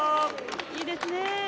いいですねえ。